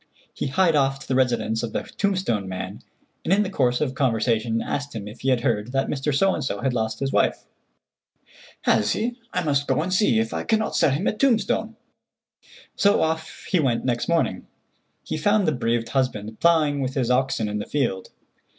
He hied off to the residence of the tombstone man, and in the course of conversation asked him if he had heard that Mr. —— had lost his wife. "Has he? I must go and see if I cannot sell him a tombstone." So off he went next morning. He found the bereaved husband plowing with his oxen in the field.